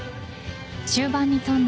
終盤に跳んだ